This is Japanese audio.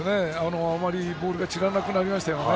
ボールが散らなくなりましたね。